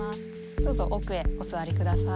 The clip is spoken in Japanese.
どうぞ奥へお座り下さい。